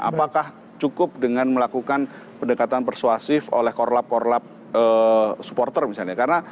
apakah cukup dengan melakukan pendekatan persuasif oleh korlap korlap supporter misalnya